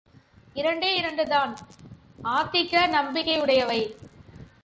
இரண்டே இரண்டுதான் ஆத்திக நம்பிக்கையுடையவை.